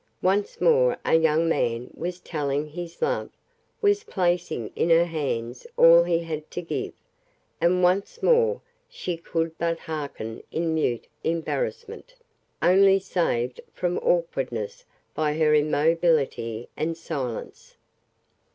Once more a young man was telling his love, was placing in her hands all he had to give; and once more she could but hearken in mute embarrassment, only saved from awkwardness by her immobility and silence.